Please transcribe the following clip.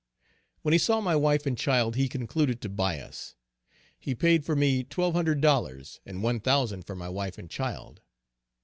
When he saw my wife and child, he concluded to buy us. He paid for me twelve hundred dollars, and one thousand for my wife and child.